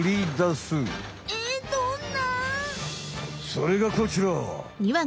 それがこちら！